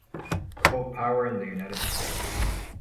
Coal power in the United States